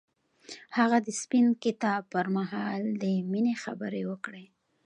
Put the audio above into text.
هغه د سپین کتاب پر مهال د مینې خبرې وکړې.